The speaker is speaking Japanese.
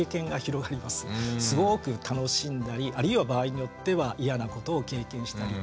すごく楽しんだりあるいは場合によっては嫌なことを経験したりっていう。